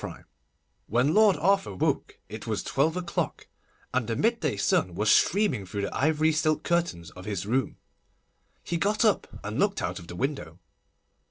CHAPTER III WHEN Lord Arthur woke it was twelve o'clock, and the midday sun was streaming through the ivory silk curtains of his room. He got up and looked out of the window.